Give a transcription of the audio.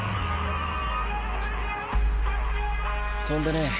そんでね